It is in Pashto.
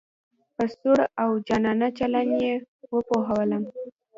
په سوړ او جانانه چلن یې پوهولم.